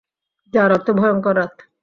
যার অর্থ ভয়ঙ্কর রাত।